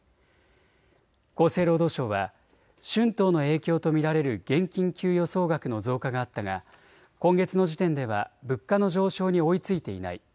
厚生労働省は春闘の影響と見られる現金給与総額の増加があったが今月の時点では物価の上昇に追いついていない。